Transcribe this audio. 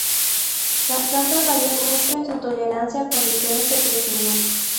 Las plantas varían mucho en su tolerancia a condiciones de crecimiento.